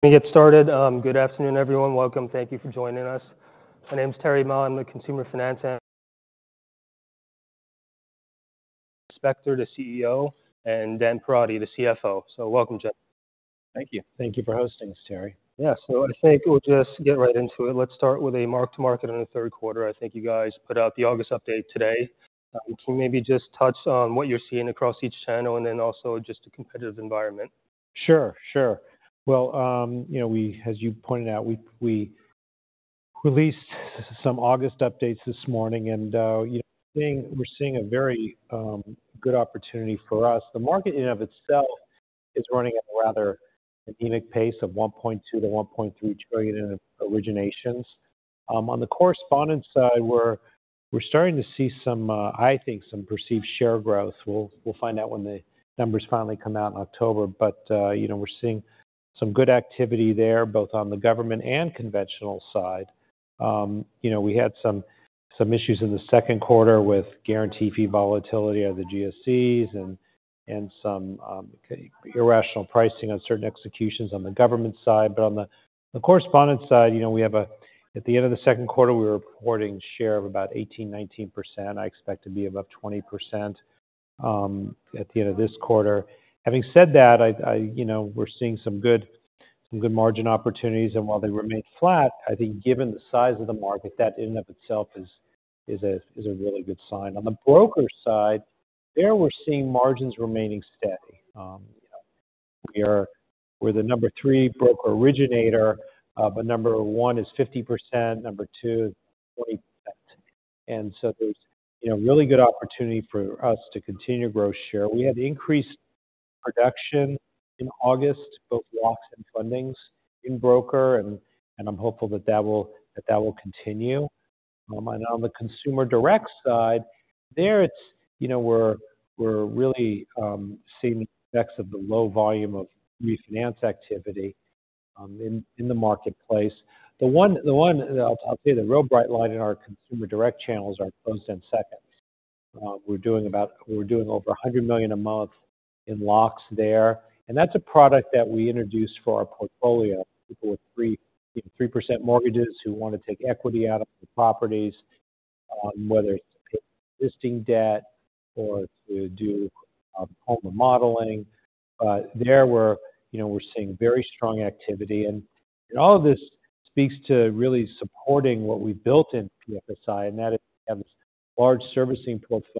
Let me get started. Good afternoon, everyone. Welcome. Thank you for joining us. My name is Terry Ma. I'm the consumer finance analyst. David Spector, the CEO, and Dan Perotti, the CFO. So welcome, gentlemen. Thank you. Thank you for hosting this, Terry. Yeah. So I think we'll just get right into it. Let's start with a mark-to-market on the third quarter. I think you guys put out the August update today. Can you maybe just touch on what you're seeing across each channel and then also just the competitive environment? Sure, sure. Well, you know, we as you pointed out, we, we released some August updates this morning, and, we're seeing, we're seeing a very, good opportunity for us. The market in and of itself is running at a rather anemic pace of $1.2-$1.3 trillion in originations. On the correspondent side, we're, we're starting to see some, I think some perceived share growth. We'll, we'll find out when the numbers finally come out in October. But, you know, we're seeing some good activity there, both on the government and conventional side. You know, we had some, some issues in the second quarter with guarantee fee volatility of the GSEs and, and some, irrational pricing on certain executions on the government side. But on the correspondent side, you know, we have, at the end of the second quarter, we were reporting share of about 18%-19%. I expect to be about 20% at the end of this quarter. Having said that, I, you know, we're seeing some good margin opportunities, and while they remain flat, I think given the size of the market, that in and of itself is a really good sign. On the broker side, there we're seeing margins remaining steady. We're the number three broker originator, but number one is 50%, number two 40%. And so there's, you know, really good opportunity for us to continue to grow share. We had increased production in August, both locks and fundings in broker, and I'm hopeful that that will continue. And on the consumer direct side, there, it's, you know, we're really seeing the effects of the low volume of refinance activity in the marketplace. I'll tell you, the real bright light in our consumer direct channels are closed-end seconds. We're doing over $100 million a month in locks there, and that's a product that we introduced for our portfolio. People with 3% mortgages who want to take equity out of the properties, whether it's to pay existing debt or to do home remodeling. But there, you know, we're seeing very strong activity. And all of this speaks to really supporting what we built in PFSI, and that is we have this large servicing portfolio.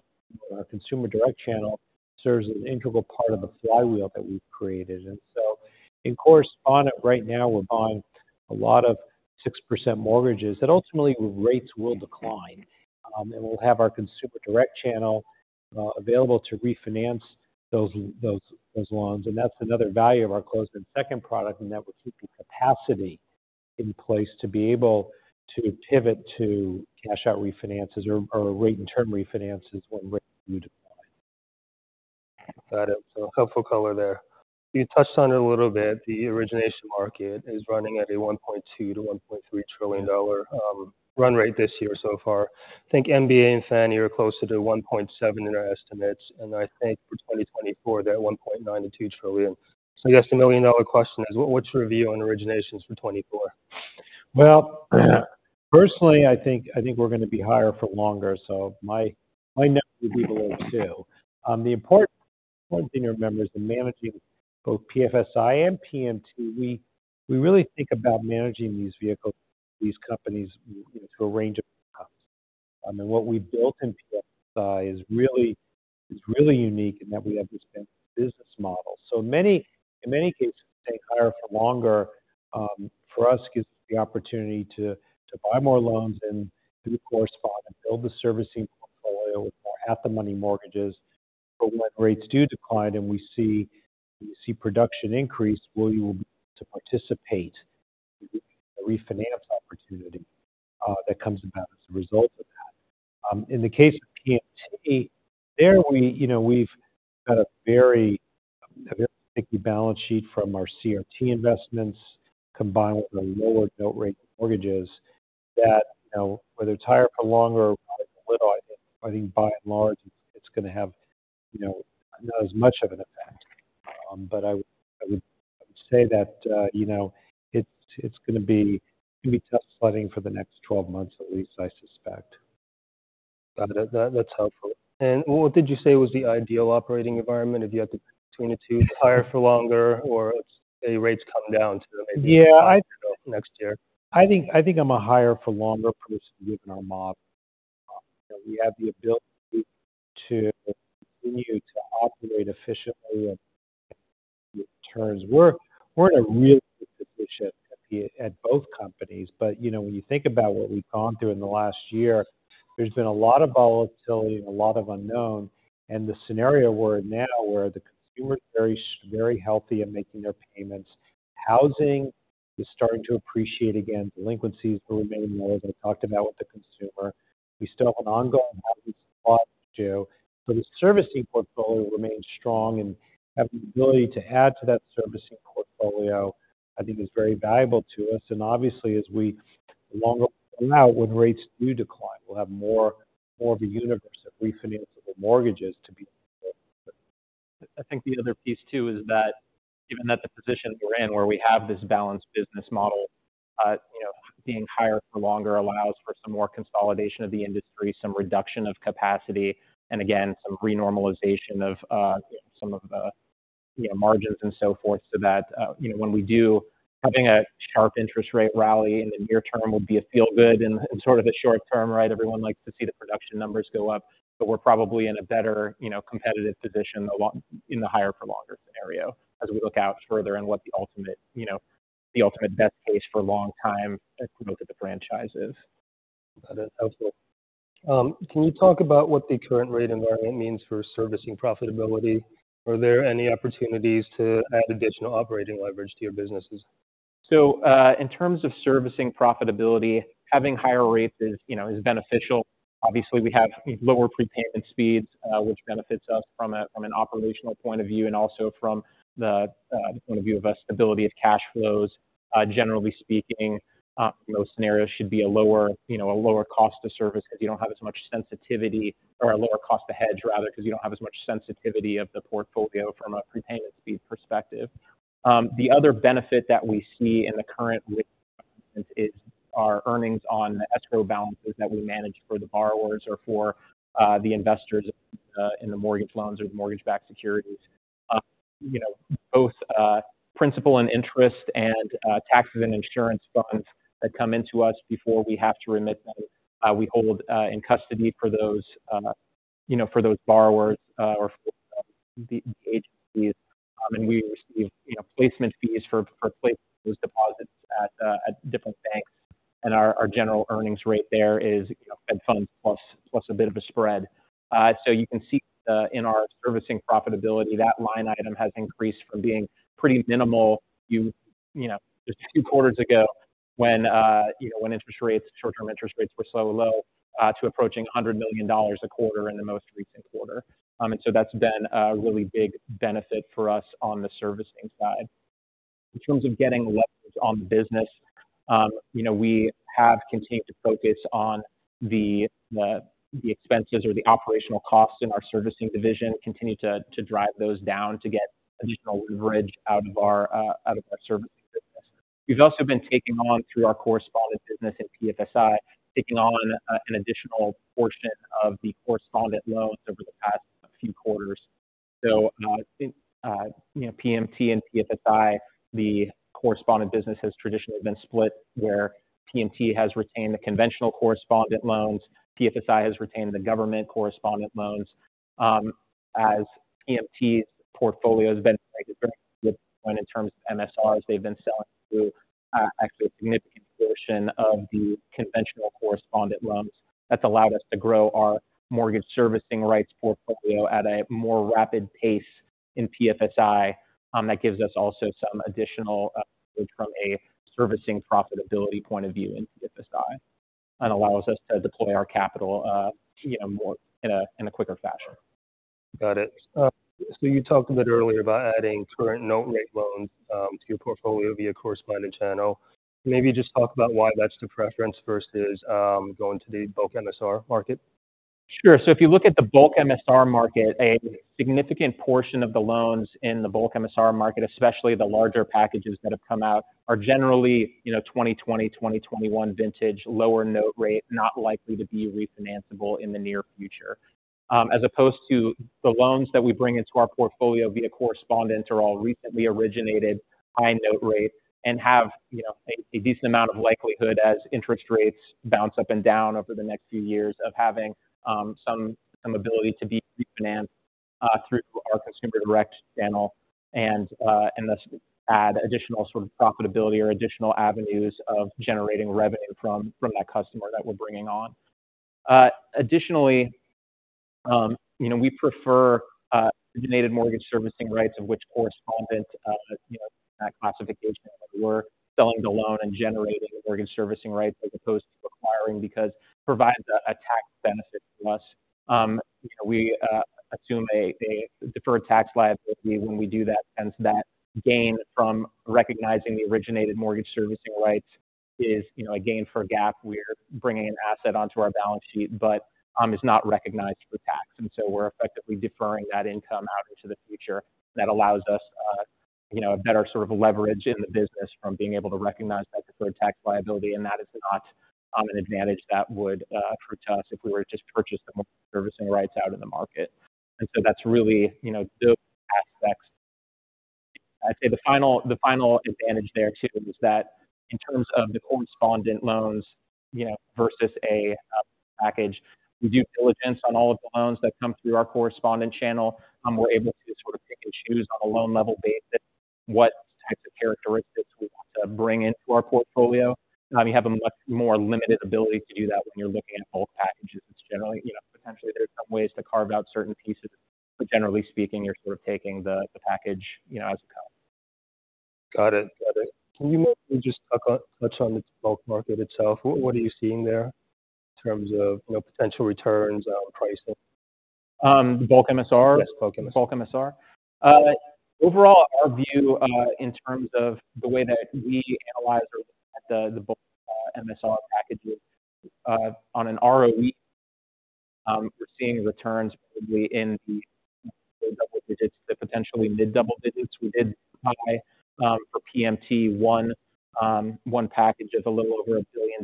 Our consumer direct channel serves as an integral part of the flywheel that we've created. And so in correspondent right now, we're buying a lot of 6% mortgages that ultimately rates will decline. And we'll have our consumer direct channel available to refinance those loans. And that's another value of our closed-end second product, and that we're keeping capacity in place to be able to pivot to cash out refinances or rate and term refinances when rates do decline. Got it. So helpful color there. You touched on it a little bit. The origination market is running at a $1.2-$1.3 trillion dollar run rate this year so far. I think MBA and Fannie are closer to $1.7 trillion in our estimates, and I think for 2024, they're $1.9-$2 trillion. So I guess the million dollar question is: What's your view on originations for 2024? Well, personally, I think, I think we're going to be higher for longer, so my, my net would be lower too. The important thing to remember is that managing both PFSI and PMT, we, we really think about managing these vehicles, these companies, you know, to a range of costs. I mean, what we've built in PFSI is really, is really unique in that we have this business model. In many cases, staying higher for longer, for us, gives the opportunity to, to buy more loans and do the correspondent and build the servicing portfolio at the money mortgages. But when rates do decline and we see, we see production increase, we will be able to participate in the refinance opportunity, that comes about as a result of that. In the case of PMT, you know, we've got a very, a very sticky balance sheet from our CRT investments, combined with the lower note rate mortgages, that, you know, whether it's higher for longer, I think by and large, it's going to have, you know, not as much of an effect. But I would, I would say that, you know, it's, it's going to be tough sledding for the next 12 months at least, I suspect. Got it. That, that's helpful. And what did you say was the ideal operating environment if you had to between the two, higher for longer or a rates coming down to maybe Yeah, I next year. I think, I think I'm a higher for longer person given our MSR. We have the ability to continue to operate efficiently with terms. We're, we're in a really good position at PMT at both companies, but you know, when you think about what we've gone through in the last year, there's been a lot of volatility and a lot of unknowns. The scenario we're in now, where the consumer is very, very healthy and making their payments, housing is starting to appreciate again, delinquencies are remaining low, as I talked about, with the consumer. We still have an ongoing response to, but the servicing portfolio remains strong, and have the ability to add to that servicing portfolio, I think is very valuable to us. Obviously, as we longer out, when rates do decline, we'll have more, more of a universe of refinanceable mortgages to be...... I think the other piece, too, is that given that the position we're in, where we have this balanced business model, you know, being higher for longer allows for some more consolidation of the industry, some reduction of capacity, and again, some renormalization of, some of the, you know, margins and so forth. So that, you know, when we do, having a sharp interest rate rally in the near term will be a feel good in sort of the short term, right? Everyone likes to see the production numbers go up, but we're probably in a better, you know, competitive position a lot in the higher for longer scenario as we look out further and what the ultimate, you know, the ultimate best case for long time as we look at the franchises. Got it. That's helpful. Can you talk about what the current rate environment means for servicing profitability? Are there any opportunities to add additional operating leverage to your businesses? So, in terms of servicing profitability, having higher rates is, you know, is beneficial. Obviously, we have lower prepayment speeds, which benefits us from an operational point of view and also from the point of view of a stability of cash flows. Generally speaking, those scenarios should be a lower, you know, a lower cost to service because you don't have as much sensitivity or a lower cost to hedge, rather, because you don't have as much sensitivity of the portfolio from a prepayment speed perspective. The other benefit that we see in the current rate is our earnings on the escrow balances that we manage for the borrowers or for the investors in the mortgage loans or mortgage-backed securities. You know, both principal and interest and taxes and insurance funds that come into us before we have to remit them, we hold in custody for those, you know, for those borrowers or the agencies. And we receive, you know, placement fees for placing those deposits at different banks. And our general earnings rate there is, you know, Fed funds plus a bit of a spread. So you can see in our servicing profitability, that line item has increased from being pretty minimal, you know, just two quarters ago when, you know, when interest rates, short-term interest rates were so low, to approaching $100 million a quarter in the most recent quarter. And so that's been a really big benefit for us on the servicing side. In terms of getting leverage on the business, you know, we have continued to focus on the expenses or the operational costs in our servicing division, continue to drive those down to get additional leverage out of our servicing business. We've also been taking on through our correspondent business at PFSI an additional portion of the correspondent loans over the past few quarters. So, you know, PMT and PFSI, the correspondent business has traditionally been split, where PMT has retained the conventional correspondent loans, PFSI has retained the government correspondent loans. As PMT's portfolio has been, in terms of MSRs, they've been selling through, actually a significant portion of the conventional correspondent loans. That's allowed us to grow our mortgage servicing rights portfolio at a more rapid pace in PFSI. That gives us also some additional from a servicing profitability point of view in PFSI and allows us to deploy our capital PMT more in a quicker fashion. Got it. So you talked a bit earlier about adding current note rate loans to your portfolio via correspondent channel. Maybe just talk about why that's the preference versus going to the bulk MSR market. Sure. So if you look at the bulk MSR market, a significant portion of the loans in the bulk MSR market, especially the larger packages that have come out, are generally, you know, 2020, 2021 vintage, lower note rate, not likely to be refinanceable in the near future. As opposed to the loans that we bring into our portfolio via correspondents are all recently originated, high note rate, and have, you know, a decent amount of likelihood as interest rates bounce up and down over the next few years of having some ability to be refinanced through our consumer direct channel, and thus add additional sort of profitability or additional avenues of generating revenue from that customer that we're bringing on. Additionally, you know, we prefer originated mortgage servicing rights, of which correspondent, you know, that classification, we're selling the loan and generating mortgage servicing rights as opposed to acquiring, because provides a tax benefit to us. We assume a deferred tax liability when we do that, hence that gain from recognizing the originated mortgage servicing rights is, you know, a gain for GAAP. We're bringing an asset onto our balance sheet, but it's not recognized for tax, and so we're effectively deferring that income out into the future. That allows us, you know, a better sort of leverage in the business from being able to recognize that deferred tax liability, and that is not an advantage that would accrue to us if we were to just purchase the servicing rights out in the market. And so that's really, you know, those aspects. I'd say the final, the final advantage there, too, is that in terms of the correspondent loans, you know, versus a package, we do diligence on all of the loans that come through our correspondent channel. We're able to sort of pick and choose on a loan level basis what types of characteristics we want to bring into our portfolio. You have a much more limited ability to do that when you're looking at both packages. It's generally, you know, potentially there are some ways to carve out certain pieces, but generally speaking, you're sort of taking the, the package, you know, as it comes. Got it. Got it. Can you maybe just touch on the bulk market itself? What, what are you seeing there in terms of, you know, potential returns on pricing? Bulk MSR? Yes, bulk MSR. Bulk MSR. Overall, our view in terms of the way that we analyze or look at the bulk MSR packages. On an ROE, we're seeing returns probably in the double digits to potentially mid-double digits. We did buy for PMT one package of a little over $1 billion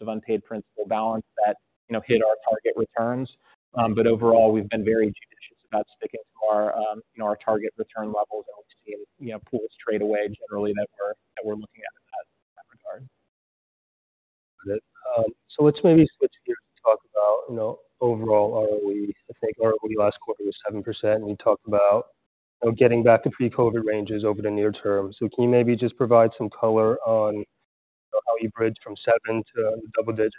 of unpaid principal balance that, you know, hit our target returns. But overall, we've been very judicious about sticking to our, you know, our target return levels, and we've seen, you know, pools trade away generally that we're looking at in that regard. Good. So let's maybe switch gears to talk about, you know, overall ROE. I think ROE last quarter was 7%, and you talked about, you know, getting back to pre-COVID ranges over the near term. So can you maybe just provide some color on how you bridge from seven to double digits?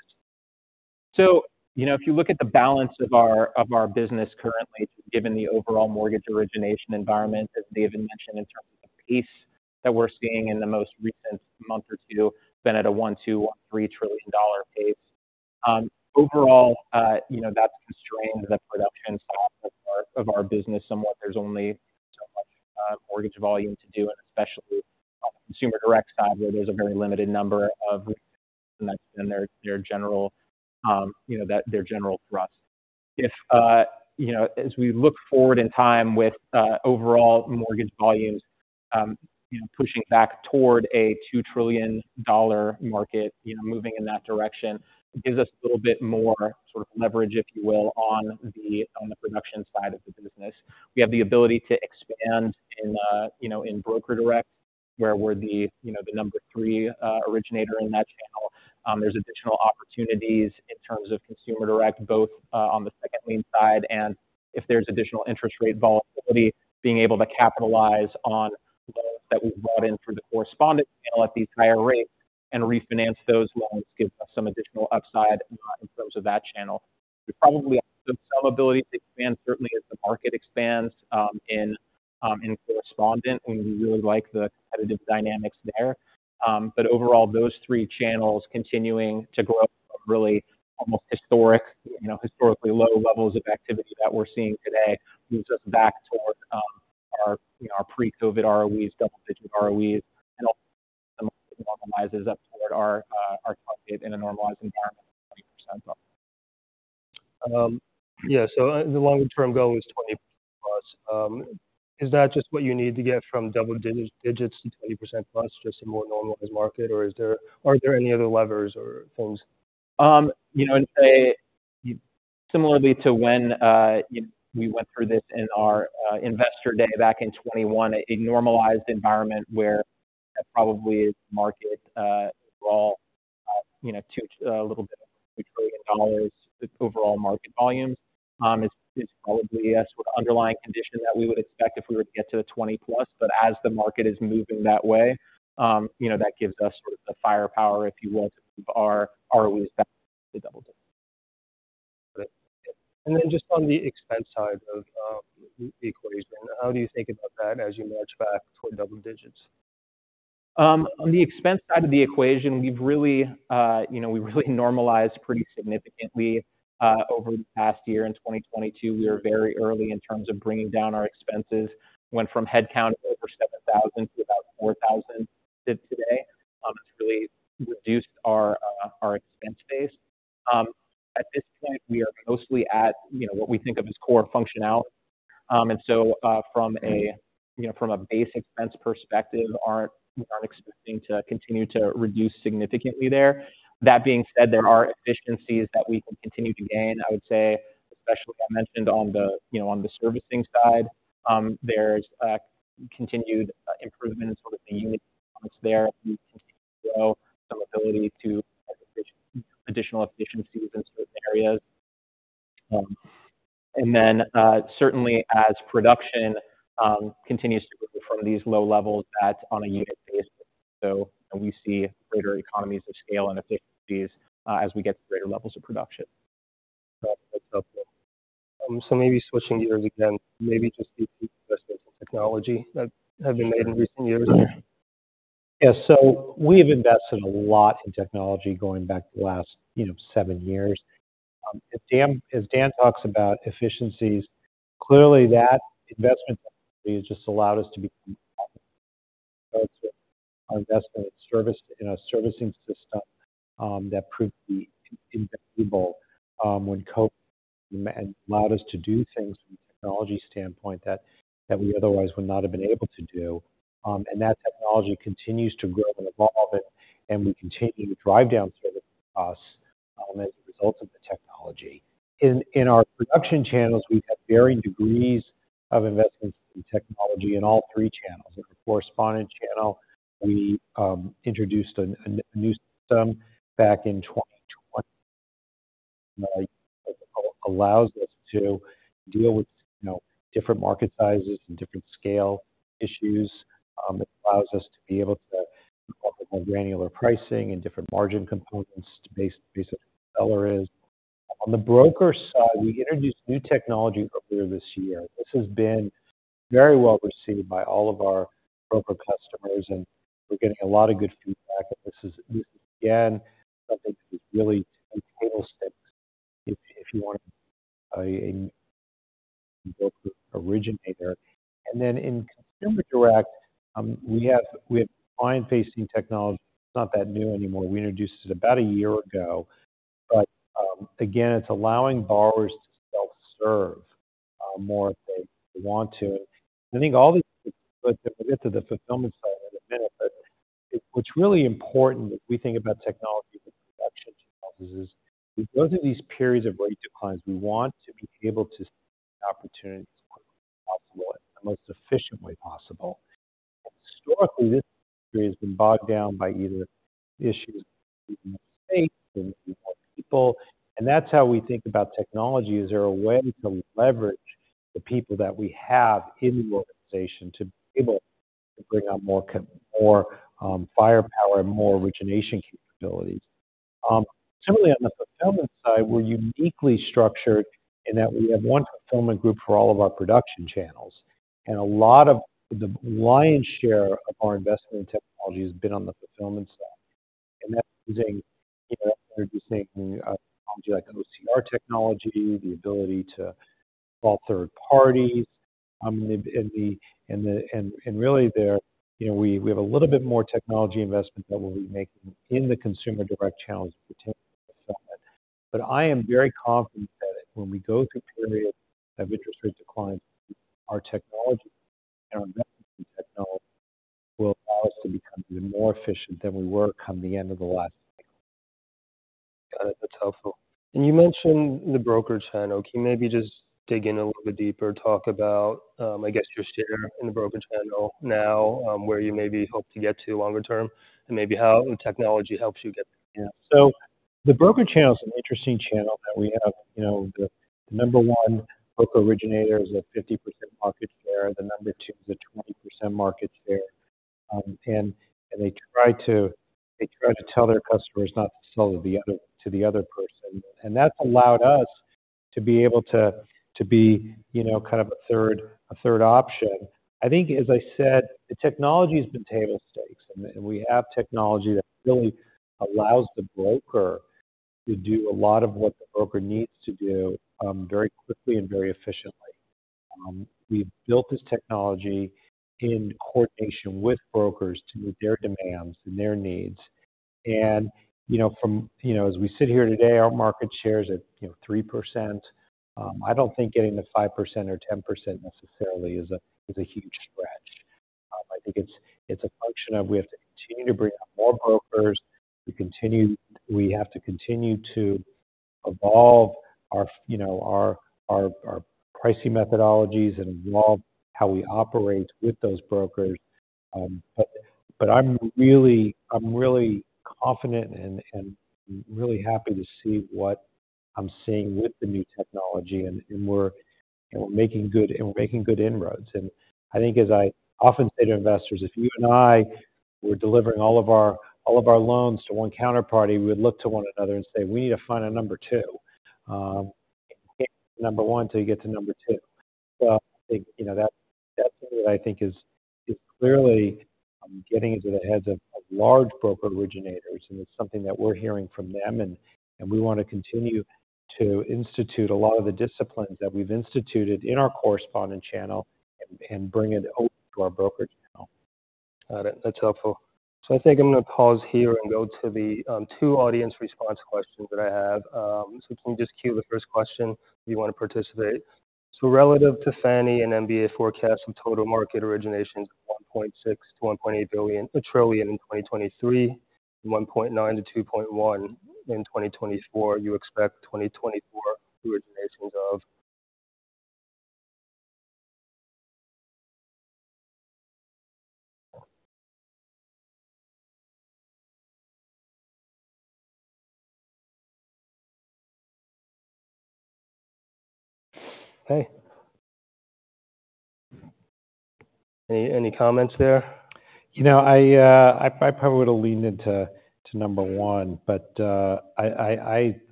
So, you know, if you look at the balance of our business currently, given the overall mortgage origination environment, as David mentioned, in terms of the pace that we're seeing in the most recent month or two, been at a $1-$3 trillion pace. Overall, you know, that's constrained the production side of our business somewhat. There's only so much mortgage volume to do, and especially on the consumer direct side, where there's a very limited number of- and their general, you know, that their general for us. If, you know, as we look forward in time with overall mortgage volumes, you know, pushing back toward a $2 trillion market, you know, moving in that direction, it gives us a little bit more sort of leverage, if you will, on the production side of the business. We have the ability to expand in, you know, in broker direct, where we're the, you know, the number three, originator in that channel. There's additional opportunities in terms of consumer direct, both on the second lien side and if there's additional interest rate volatility, being able to capitalize on loans that we've brought in through the correspondent channel at these higher rates and refinance those loans gives us some additional upside in terms of that channel. We probably have some ability to expand, certainly as the market expands, in correspondent, and we really like the competitive dynamics there. But overall, those three channels continuing to grow up from really almost historic, you know, historically low levels of activity that we're seeing today, moves us back towards, our, you know, our pre-COVID ROEs, double-digit ROEs, and also normalizes up toward our, our target in a normalized environment, 20%. Yeah. So the longer-term goal is 20+. Is that just what you need to get from double digits to 20%+, just a more normalized market? Or are there any other levers or things? You know, I'd say similarly to when we went through this in our Investor Day back in 2021, a normalized environment where that probably is market overall, you know, two, a little bit, $2 trillion with overall market volumes, is probably a sort of underlying condition that we would expect if we were to get to the 20+. But as the market is moving that way, you know, that gives us the firepower, if you will, to move our ROEs back to double digits. And then just on the expense side of the equation, how do you think about that as you march back toward double digits? On the expense side of the equation, we've really, you know, we really normalized pretty significantly over the past year. In 2022, we were very early in terms of bringing down our expenses. Went from headcount of over 7,000 to about 4,000 today. It's really reduced our our expense base. At this point, we are mostly at, you know, what we think of as core functionality. And so, from a, you know, from a base expense perspective, we aren't expecting to continue to reduce significantly there. That being said, there are efficiencies that we can continue to gain. I would say, especially I mentioned on the, you know, on the servicing side, there's continued improvement in sort of the unit costs there. We continue to show some ability to additional efficiencies in certain areas. And then, certainly as production continues to from these low levels at on a unit basis, so we see greater economies of scale and efficiencies as we get to greater levels of production. So maybe switching gears again, maybe just the investments in technology that have been made in recent years. Yeah. So we've invested a lot in technology going back the last, you know, seven years. As Dan talks about efficiencies, clearly that investment just allowed us to, our investment in servicing, in a servicing system that proved to be invaluable when COVID and allowed us to do things from a technology standpoint that we otherwise would not have been able to do. And that technology continues to grow and evolve, and we continue to drive down servicing costs as a result of the technology. In our production channels, we have varying degrees of investments in technology in all three channels. In the correspondent channel, we introduced a new system back in 2020. Allows us to deal with, you know, different market sizes and different scale issues. It allows us to be able to more granular pricing and different margin components based on where the seller is. On the broker side, we introduced new technology earlier this year. This has been very well received by all of our broker customers, and we're getting a lot of good feedback. And this is, again, something that is really a table stakes if you want to buy-in originator. And then in consumer direct, we have client-facing technology. It's not that new anymore. We introduced it about a year ago, but, again, it's allowing borrowers to self-serve more if they want to. I think all these but get to the fulfillment side in a minute, but what's really important, if we think about technology, production technologies, is going through these periods of rate declines, we want to be able to opportunities possible, the most efficient way possible. Historically, this industry has been bogged down by either issues, staff people, and that's how we think about technology. Is there a way to leverage the people that we have in the organization to be able to bring out more, more, firepower and more origination capabilities? Similarly, on the fulfillment side, we're uniquely structured in that we have one fulfillment group for all of our production channels, and a lot of the lion's share of our investment in technology has been on the fulfillment side, and that's using, you know, introducing new technology like OCR technology, the ability to involve third parties, and really there, you know, we have a little bit more technology investment that we'll be making in the consumer direct channels potentially. But I am very confident that when we go through periods of interest rate declines, our technology and our investment in technology will allow us to become even more efficient than we were come the end of the last cycle. Got it. That's helpful. You mentioned the broker channel. Can you maybe just dig in a little bit deeper, talk about, I guess, your share in the broker channel now, where you maybe hope to get to longer term and maybe how technology helps you get there? Yeah. So the broker channel is an interesting channel that we have. You know, the number one broker originator is a 50% market share, the number two is a 20% market share. And they try to tell their customers not to sell to the other, to the other person. And that's allowed us to be able to be, you know, kind of a third option. I think, as I said, the technology has been table stakes, and we have technology that really allows the broker to do a lot of what the broker needs to do, very quickly and very efficiently. We've built this technology in coordination with brokers to meet their demands and their needs. And, you know, from, you know, as we sit here today, our market share is at, you know, 3%. I don't think getting to 5% or 10% necessarily is a huge stretch. I think it's a function of we have to continue to bring on more brokers. We have to continue to evolve our, you know, our pricing methodologies and evolve how we operate with those brokers. But I'm really confident and really happy to see what I'm seeing with the new technology, and we're making good inroads. And I think, as I often say to investors, if you and I were delivering all of our loans to one counterparty, we'd look to one another and say, "We need to find a number two." Number one, till you get to number two. So I think, you know, that, that's what I think is clearly getting into the heads of large broker originators, and it's something that we're hearing from them. And we want to continue to institute a lot of the disciplines that we've instituted in our correspondent channel and bring it over to our broker channel. Got it. That's helpful. So I think I'm going to pause here and go to the two audience response questions that I have. So can you just queue the first question if you want to participate? So relative to Fannie and MBA forecasts of total market originations, $1.6-$1.8 trillion in 2023, $1.9-$2.1 trillion in 2024. You expect 2024 originations of... Hey. Any comments there? You know, I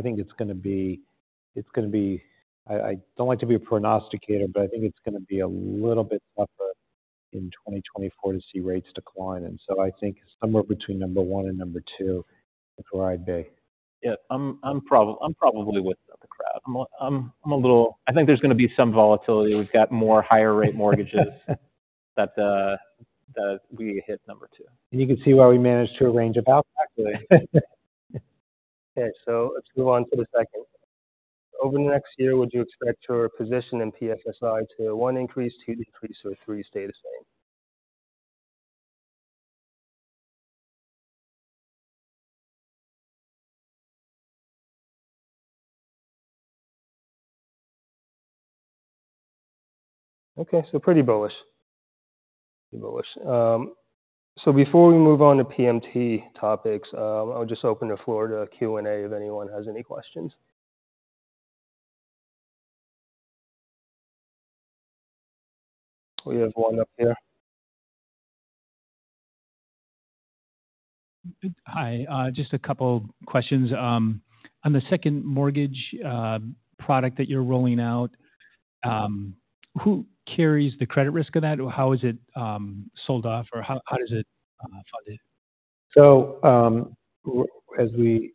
think it's gonna be, it's gonna be... I don't like to be a prognosticator, but I think it's gonna be a little bit tougher in 2024 to see rates decline. And so I think somewhere between number one and number two is where I'd be. Yeah, I'm probably with the crowd. I'm a little I think there's going to be some volatility. We've got more higher rate mortgages that, that we hit number two. You can see why we managed to arrange a bout, actually. Okay, so let's move on to the second. Over the next year, would you expect your position in PFSI to, one, increase, two, decrease, or three, stay the same? Okay, so pretty bullish. Pretty bullish. So before we move on to PMT topics, I'll just open the floor to Q&A if anyone has any questions. We have one up here. Hi, just a couple questions. On the second mortgage product that you're rolling out, who carries the credit risk of that, or how is it sold off, or how is it funded? ...So, as we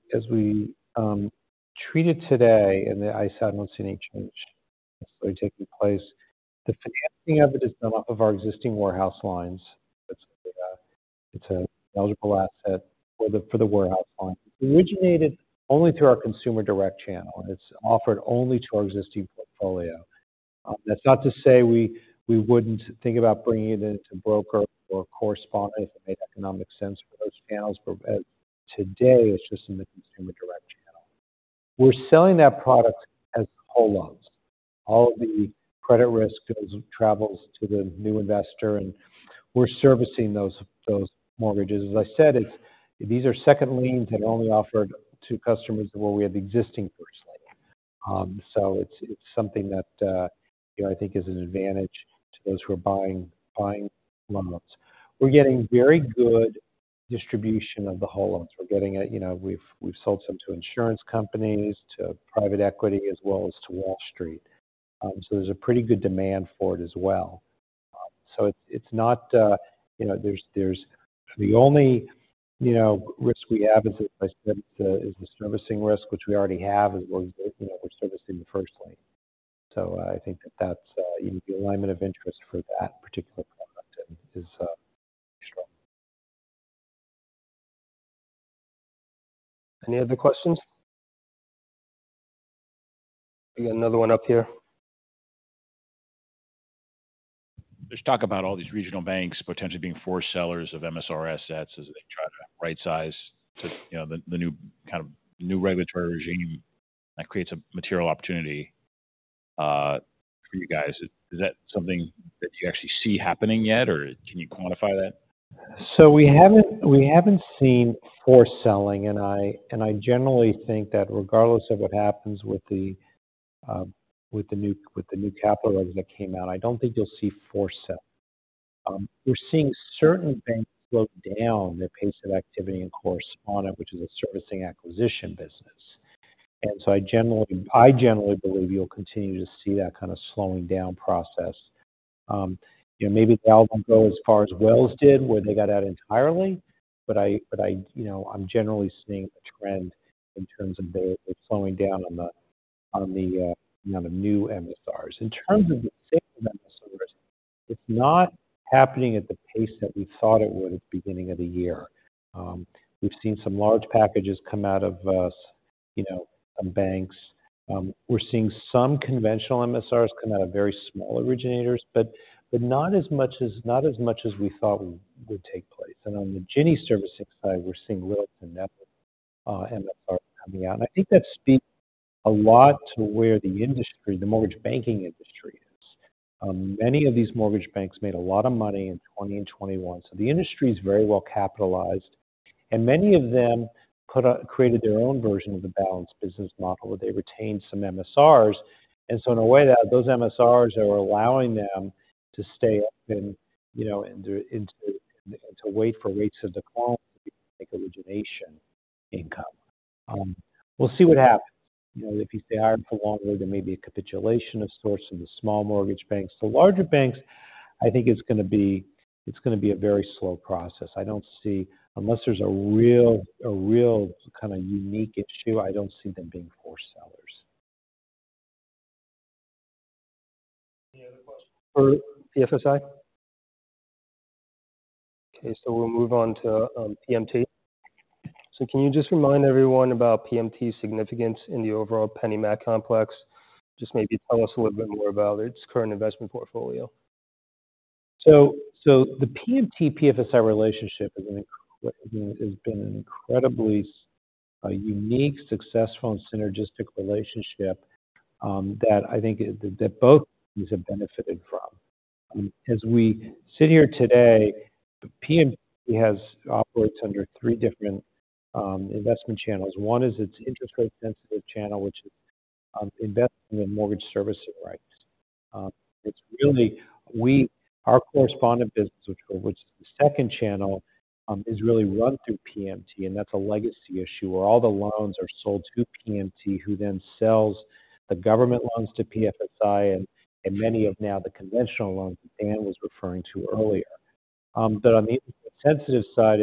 treat it today, and I sat on CES, so taking place, the financing of the development of our existing warehouse lines, it's an eligible asset for the warehouse line. It originated only through our consumer direct channel, and it's offered only to our existing portfolio. That's not to say we wouldn't think about bringing it into broker or correspondent if it made economic sense for those channels, but today, it's just in the consumer direct channel. We're selling that product as whole loans. All of the credit risk goes, travels to the new investor, and we're servicing those mortgages. As I said, it's, these are second liens and only offered to customers where we have the existing first lien. So it's something that, you know, I think is an advantage to those who are buying loans. We're getting very good distribution of the whole loans. We're getting, you know, we've sold some to insurance companies, to private equity, as well as to Wall Street. So there's a pretty good demand for it as well. So it's not, you know, there's the only risk we have is, as I said, is the servicing risk, which we already have, as well as, you know, we're servicing the first lien. So I think that's the alignment of interest for that particular product and is strong. Any other questions? We got another one up here. There's talk about all these regional banks potentially being forced sellers of MSR assets as they try to right-size to, you know, the new kind of new regulatory regime. That creates a material opportunity for you guys. Is that something that you actually see happening yet, or can you quantify that? So we haven't seen flow selling, and I generally think that regardless of what happens with the new capital that came out, I don't think you'll see flow sale. We're seeing certain banks slow down their pace of activity in correspondent, which is a servicing acquisition business. And so I generally believe you'll continue to see that kind of slowing down process. You know, maybe they'll go as far as Wells did, where they got out entirely, but I, you know, I'm generally seeing a trend in terms of the slowing down on the new MSRs. In terms of the sales MSRs, it's not happening at the pace that we thought it would at the beginning of the year. We've seen some large packages come out of, you know, some banks. We're seeing some conventional MSRs come out of very small originators, but, but not as much as, not as much as we thought would take place. And on the Ginnie servicing side, we're seeing little to nothing, MSR coming out. I think that speaks a lot to where the industry, the mortgage banking industry is. Many of these mortgage banks made a lot of money in 2020 and 2021, so the industry is very well capitalized, and many of them created their own version of the balanced business model, where they retained some MSRs, and so in a way, that those MSRs are allowing them to stay up and, you know, to wait for rates to decline, make origination income. We'll see what happens. You know, if you stay higher for longer, there may be a capitulation of sorts in the small mortgage banks. The larger banks, I think it's going to be a very slow process. I don't see, unless there's a real kind of unique issue, I don't see them being poor sellers. Any other questions for PFSI? Okay, so we'll move on to PMT. So can you just remind everyone about PMT's significance in the overall PennyMac complex? Just maybe tell us a little bit more about its current investment portfolio. So the PMT-PFSI relationship has been an incredibly unique, successful, and synergistic relationship that I think that both teams have benefited from. As we sit here today, PMT operates under three different investment channels. One is its interest rate-sensitive channel, which invests in the mortgage servicing rights. Our correspondent business, which is the second channel, is really run through PMT, and that's a legacy issue where all the loans are sold to PMT, who then sells the government loans to PFSI and now many of the conventional loans that Dan was referring to earlier. But on the sensitive side,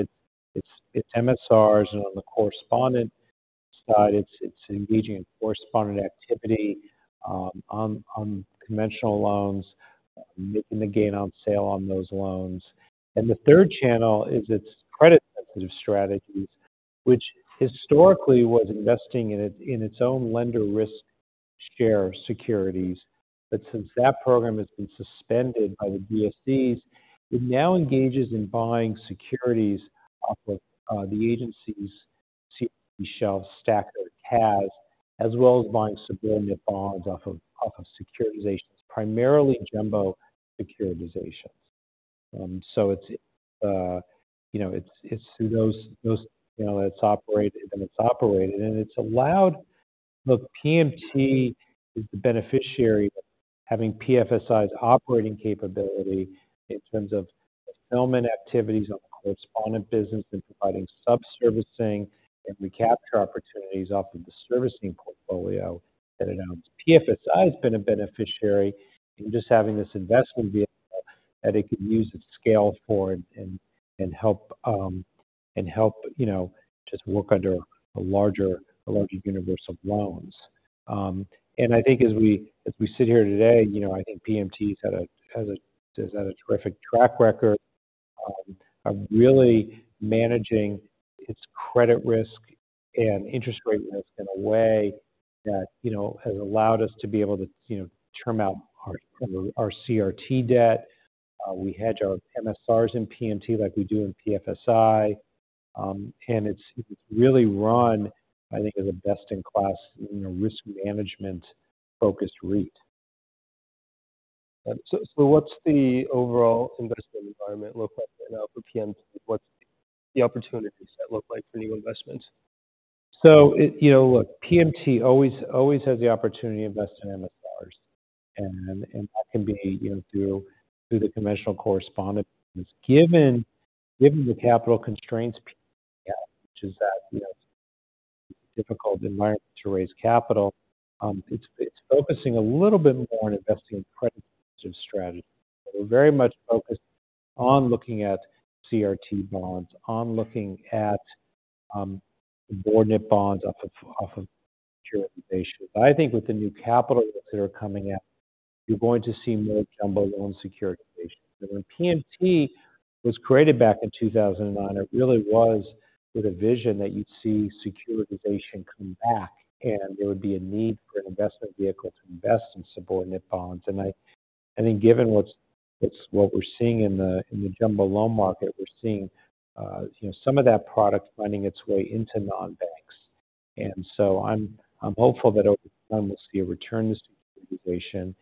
it's MSRs, and on the correspondent side, it's engaging in correspondent activity on conventional loans and the gain on sale on those loans. And the third channel is its credit-sensitive strategies, which historically was investing in its own lender risk share securities. But since that program has been suspended by the GSEs, it now engages in buying securities off of the agency's CRT shelves, STACR, CAS, as well as buying subordinate bonds off of securitizations, primarily jumbo securitizations. So it's you know it's those you know it's operated and it's allowed. Look, PMT is the beneficiary of having PFSI's operating capability in terms of fulfillment activities on the correspondent business and providing sub-servicing and recapture opportunities off of the servicing portfolio that it owns. PFSI has been a beneficiary in just having this investment vehicle that it can use its scale for and help you know just work under a larger universe of loans. And I think as we sit here today, you know, I think PMT has had a terrific track record of really managing its credit risk and interest rate risk in a way that, you know, has allowed us to be able to, you know, term out our CRT debt. We hedge our MSRs in PMT like we do in PFSI. And it's really run, I think, as a best-in-class, you know, risk management-focused REIT. So, what's the overall investment environment look like now for PMT? What's the opportunities that look like for new investments? So, you know, look, PMT always, always has the opportunity to invest in MSRs, and that can be, you know, through the conventional correspondent. Given the capital constraints, which is that, you know, difficult environment to raise capital, it's focusing a little bit more on investing in credit strategies. We're very much focused on looking at CRT bonds, on looking at subordinate bonds off of securitization. I think with the new capital that are coming out, you're going to see more jumbo loan securitization. When PMT was created back in 2009, it really was with a vision that you'd see securitization come back, and there would be a need for an investment vehicle to invest in subordinate bonds. I think given what we're seeing in the jumbo loan market, we're seeing you know, some of that product finding its way into non-banks. And so I'm hopeful that over time we'll see a return to securitization,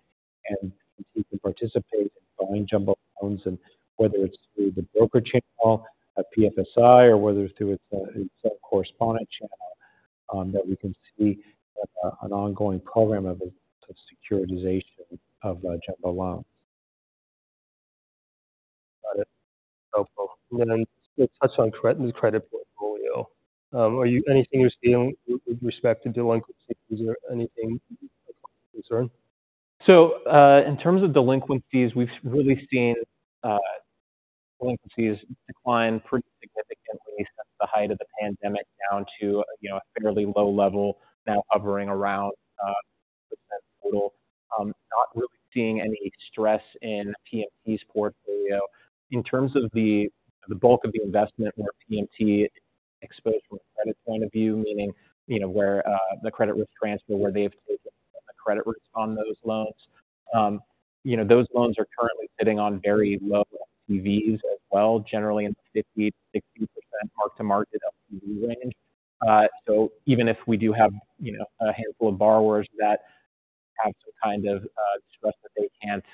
and we can participate in buying jumbo loans, and whether it's through the broker channel at PFSI or whether it's through its own correspondent channel, that we can see an ongoing program of securitization of jumbo loans. Got it. Helpful. Then touch on the credit portfolio. Are you seeing anything with respect to delinquencies or anything concerning? So, in terms of delinquencies, we've really seen, delinquencies decline pretty significantly since the height of the pandemic down to, you know, a fairly low level, now hovering around, percent total. Not really seeing any stress in PMT's portfolio. In terms of the, the bulk of the investment, where PMT exposed from a credit point of view, meaning, you know, where, the credit risk transfer, where they've taken the credit risk on those loans. You know, those loans are currently sitting on very low LTVs as well, generally in 50%-60% mark-to-market LTV range. So even if we do have, you know, a handful of borrowers that have some kind of stress that they can't,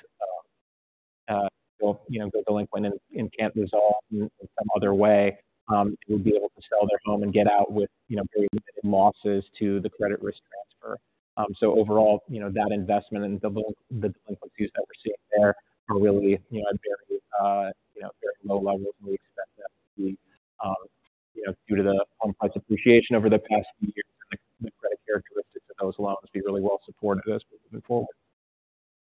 you know, go delinquent and, and can't resolve in some other way, they would be able to sell their home and get out with, you know, very limited losses to the credit risk transfer. So overall, you know, that investment and the delinquencies that we're seeing there are really, you know, at very, you know, very low levels, and we expect that to be, you know, due to the home price appreciation over the past few years, the credit characteristics of those loans be really well supported as we move forward.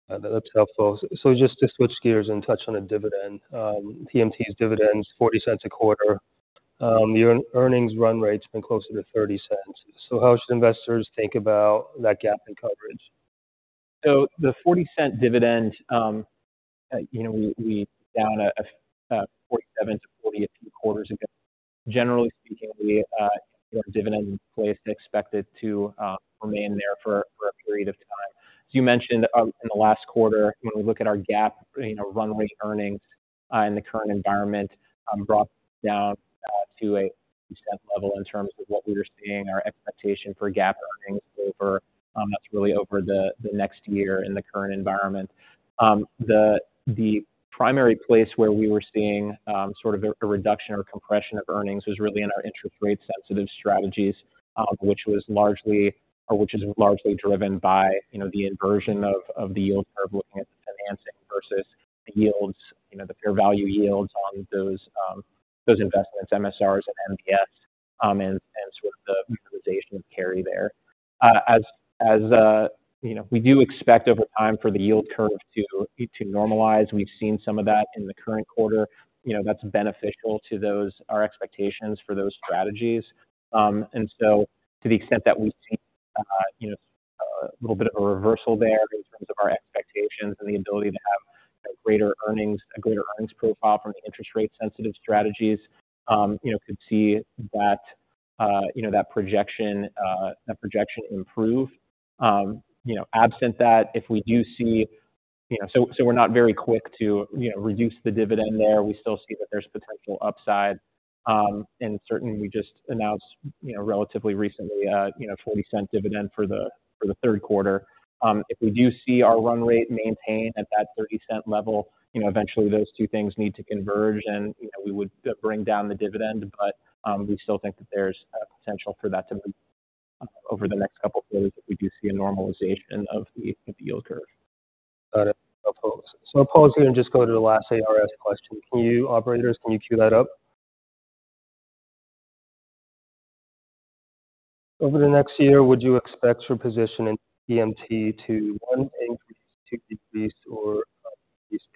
That's helpful. Just to switch gears and touch on the dividend. PMT's dividend is $0.40 a quarter. Your earnings run rate's been closer to $0.30. How should investors think about that gap in coverage? So the $0.40 dividend, you know, we down $0.47-$0.40 a few quarters ago. Generally speaking, our dividend in place expected to remain there for a period of time. You mentioned in the last quarter, when we look at our GAAP and our run rate earnings in the current environment brought down to a step level in terms of what we were seeing, our expectation for GAAP earnings over. That's really over the next year in the current environment. The primary place where we were seeing sort of a reduction or compression of earnings was really in our interest rate sensitive strategies, which was largely or which is largely driven by, you know, the inversion of the yield curve, looking at the financing versus the yields, you know, the fair value yields on those investments, MSRs and MBS, and sort of the utilization of carry there. As you know, we do expect over time for the yield curve to normalize. We've seen some of that in the current quarter. You know, that's beneficial to those, our expectations for those strategies. And so to the extent that we've seen, you know, a little bit of a reversal there in terms of our expectations and the ability to have greater earnings, a greater earnings profile from the interest rate-sensitive strategies, you know, could see that, you know, that projection improve. You know, absent that, if we do see, you know... So we're not very quick to, you know, reduce the dividend there. We still see that there's potential upside. And certainly we just announced, you know, relatively recently, you know, $0.40 dividend for the third quarter. If we do see our run rate maintained at that $0.30 level, you know, eventually those two things need to converge, and, you know, we would bring down the dividend. But we still think that there's a potential for that to over the next couple of years, if we do see a normalization of the yield curve. Got it. So I'll pause it and just go to the last ARS question. Can you, operators, can you queue that up? Over the next year, would you expect your position in PMT to, one, increase, to decrease, or increase?